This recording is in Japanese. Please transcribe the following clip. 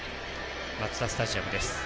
マツダスタジアムです。